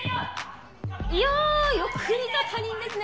いやあよく似た他人ですね！